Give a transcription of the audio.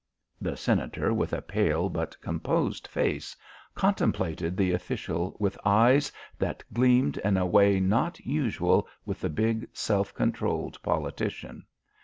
The Senator, with a pale but composed face, contemplated the official with eyes that gleamed in a way not usual with the big, self controlled politician.